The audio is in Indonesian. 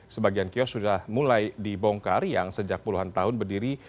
sebagian kios sudah mulai dibongkar yang sejak puluhan tahun berdiri